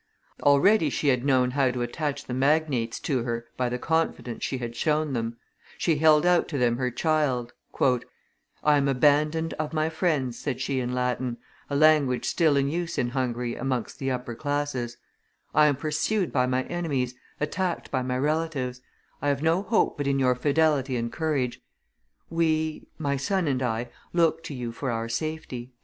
Already she had known how to attach the magnates to her by the confidence she had shown them; she held out to them her child; "I am abandoned of my friends," said she in Latin, a language still in use in Hungary amongst the upper classes; "I am pursued by my enemies, attacked by my relatives; I have no hope but in your fidelity and courage; we my son and I look to you for our safety."